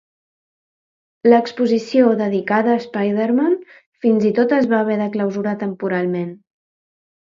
L'exposició dedicada a Spiderman fins i tot es va haver de clausurar temporalment.